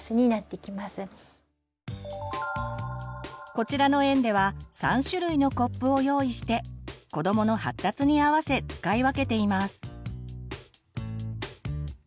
こちらの園では３種類のコップを用意して子どもの発達に合わせ使い分けています。